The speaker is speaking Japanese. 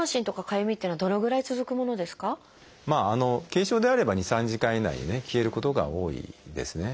軽症であれば２３時間以内に消えることが多いですね。